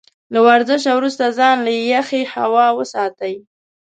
له ورزش وروسته ځان له يخې هوا وساتئ.